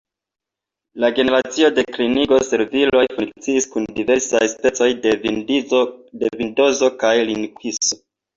La generacio de klingo-serviloj funkciis kun diversaj specoj de Vindozo kaj Linukso.